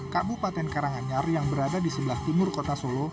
kabupaten karanganyar yang berada di sebelah timur kota solo